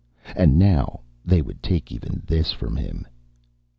And now they would take even this from him!